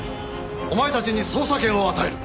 お前たちに捜査権を与える。